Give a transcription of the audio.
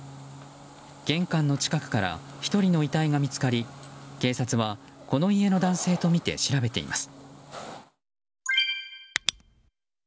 玄関の近くから１人の遺体が見つかり警察は、この家の男性とみて調べています。